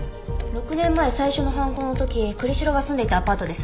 ６年前最初の犯行の時栗城が住んでいたアパートです。